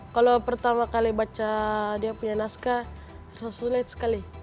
kalau pertama kali baca dia punya naskah rasa sulit sekali